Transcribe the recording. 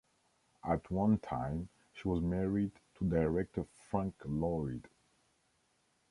At one time, she was married to director Frank Lloyd.